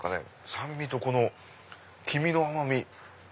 酸味とこの黄身の甘味。